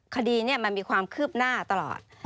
คดีนี้มันมีความคืบหน้าตลอด